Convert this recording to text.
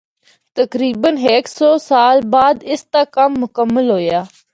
تقریبا ہک سو سال بعد اس دا کم مکمل ہویا۔